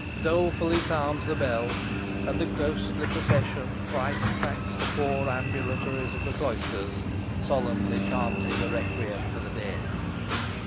Dolefully sounds the bell. And the ghostly procession thrice tracks the four ambulatories of the cloisters, solemnly chanting a requiem for the dead.